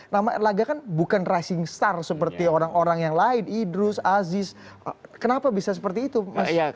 nama erlangga kan bukan rising star seperti orang orang yang lain idrus aziz kenapa bisa seperti itu mas